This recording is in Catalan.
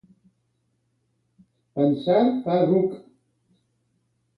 Pensar fa ruc.